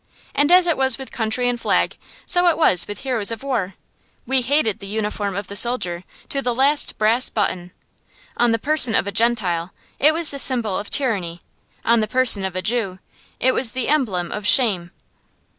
And as it was with country and flag, so it was with heroes of war. We hated the uniform of the soldier, to the last brass button. On the person of a Gentile, it was the symbol of tyranny; on the person of a Jew, it was the emblem of shame.